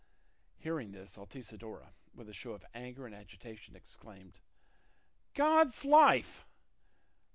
Hearing this, Altisidora, with a show of anger and agitation, exclaimed, "God's life!